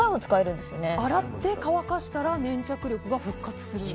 洗って乾かしたら粘着力が復活すると。